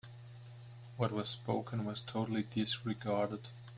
What was spoken was totally disregarded.